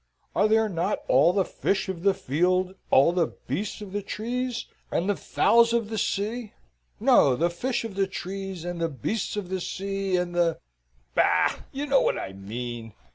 Are there not all the fish of the field, and the beasts of the trees, and the fowls of the sea no the fish of the trees, and the beasts of the sea and the bah! You know what I mean.